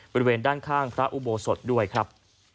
บริเวณด้านข้างพระอุโบสถด้วยครับ